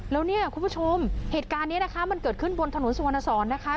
แล้วเนี่ยคุณผู้ชมเหตุการณ์นี้นะคะมันเกิดขึ้นบนถนนสุวรรณสอนนะคะ